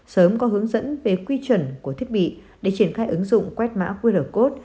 sớm có hướng dẫn về quy chuẩn của thiết bị để triển khai ứng dụng quét mã qr code